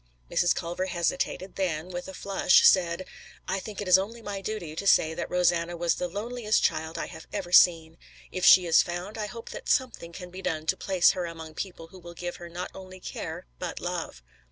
Mrs. Culver hesitated, then with a flush said: "I think it is only my duty to say that Rosanna was the loneliest child I have ever seen. If she is found, I hope that something can be done to place her among people who will give her not only care, but love."